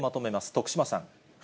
徳島さん。